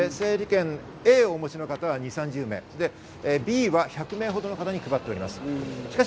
整理券Ａをお持ちの方は２０３０名、Ｂは１００名ほどの方に配っています。